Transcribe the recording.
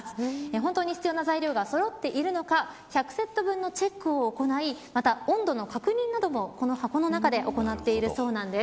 本当に必要な材料がそろっているのか１００セット分のチェックを行いまた温度の確認なども、この箱の中で行っているそうなんです。